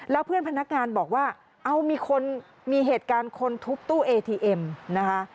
แล้วเพื่อนพนักงานบอกว่าเอามีคนมีเหตุการณ์คนทุบตู้เอทีเอ็มนะคะ